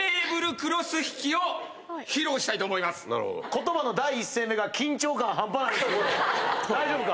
言葉の第一声目が緊張感半端ないんですけど大丈夫か？